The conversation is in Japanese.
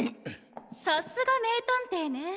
さすが名探偵ね。